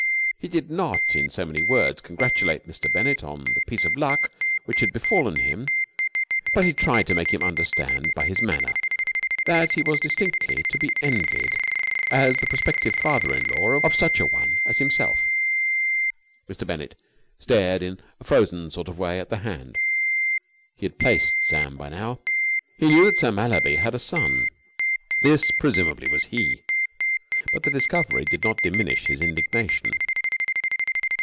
He did not in so many words congratulate Mr. Bennett on the piece of luck which had befallen him, but he tried to make him understand by his manner that he was distinctly to be envied as the prospective father in law of such a one as himself. Mr. Bennett stared in a frozen sort of way at the hand. He had placed Sam by now. He knew that Sir Mallaby had a son. This, presumably, was he. But the discovery did not diminish his indignation.